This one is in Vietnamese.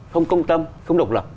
không công tâm không độc lập